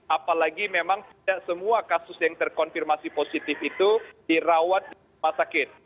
apalagi memang tidak semua kasus yang terkonfirmasi positif itu dirawat di rumah sakit